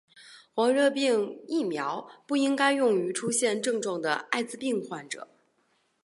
黄热病疫苗不应该用于出现症状的爱滋病患者。